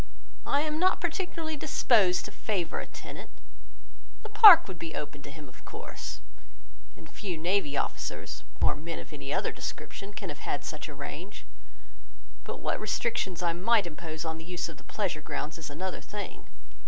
I am not particularly disposed to favour a tenant. The park would be open to him of course, and few navy officers, or men of any other description, can have had such a range; but what restrictions I might impose on the use of the pleasure grounds, is another thing.